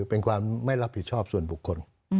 เป็นความไม่รับผิดชอบส่วนบุคคล